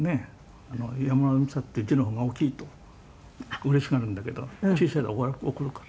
「山村美紗っていう字の方が大きいとうれしがるんだけど小さいと怒るから」